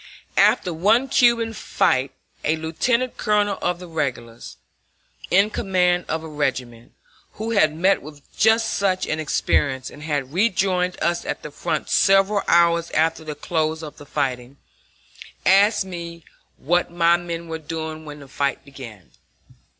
After one Cuban fight a lieutenant colonel of the regulars, in command of a regiment, who had met with just such an experience and had rejoined us at the front several hours after the close of the fighting, asked me what my men were doing when the fight began.